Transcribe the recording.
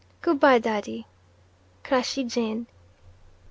Good by Daddy. Crashey Jane."